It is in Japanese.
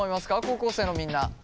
高校生のみんな。